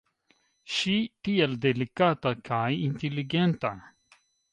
Ŝi, tiel delikata kaj inteligenta.